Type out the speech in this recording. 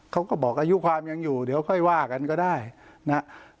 เขาก็บอกอายุความยังอยู่เดี๋ยวค่อยว่ากันก็ได้นะครับ